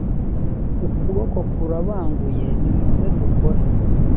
ukuboko kurabanguye nimuze dukore